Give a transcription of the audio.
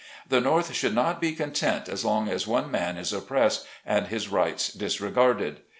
The North should not be con tent as long as one man is oppressed, and his rights disregarded.